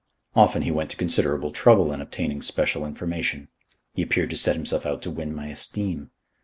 Often he went to considerable trouble in obtaining special information. He appeared to set himself out to win my esteem.